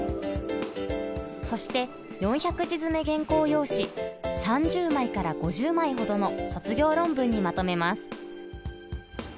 そして４００字詰め原稿用紙３０枚から５０枚ほどの卒業論文にまとめます。